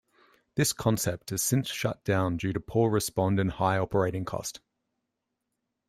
This concept has since shut down due to poor respond and high operating cost.